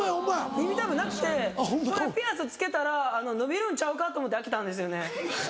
耳たぶなくてピアス着けたら伸びるんちゃうかと思って開けたんですよね。